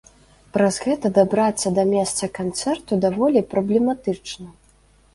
Праз гэта дабрацца да месца канцэрту даволі праблематычна.